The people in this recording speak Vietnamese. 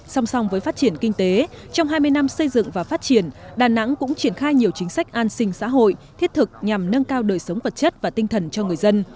song song với phát triển kinh tế trong hai mươi năm xây dựng và phát triển đà nẵng cũng triển khai nhiều chính sách an sinh xã hội thiết thực nhằm nâng cao đời sống vật chất và tinh thần cho người dân